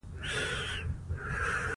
تاریخ د پښو غوړې خاڼې لري.